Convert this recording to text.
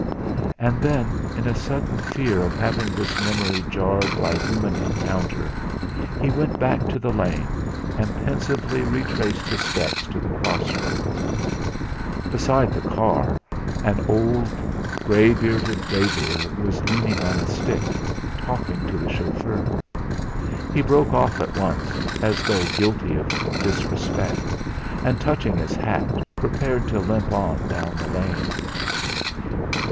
And then, in sudden fear of having this memory jarred by human encounter, he went back to the lane, and pensively retraced his steps to the crossroads. Beside the car an old, grey bearded labourer was leaning on a stick, talking to the chauffeur. He broke off at once, as though guilty of disrespect, and touching his hat, prepared to limp on down the lane.